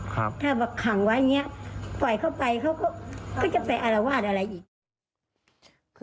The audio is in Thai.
ถ้าขังไว้อย่างนี้ปล่อยเข้าไปเขาก็จะไปอารวาสอะไรอีก